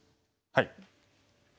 はい！